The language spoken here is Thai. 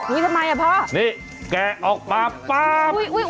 นี่ทำไมล่ะพ่อนี่แกะออกมาป๊าป๊าป๊า